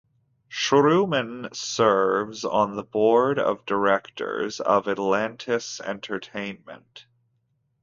Schuurman serves on the board of directors of Atlantis Entertainment.